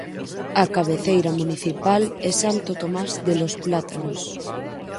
A cabeceira municipal é Santo Tomás de los Plátanos.